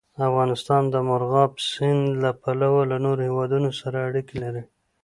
افغانستان د مورغاب سیند له پلوه له نورو هېوادونو سره اړیکې لري.